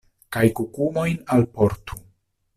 Kaj kukumojn alportu.